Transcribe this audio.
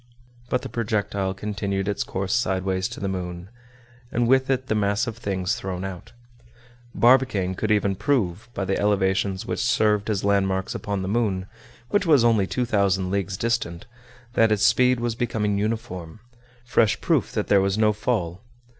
But the projectile continued its course sideways to the moon, and with it the mass of things thrown out. Barbicane could even prove, by the elevations which served as landmarks upon the moon, which was only two thousand leagues distant, that its speed was becoming uniform—fresh proof that there was no fall.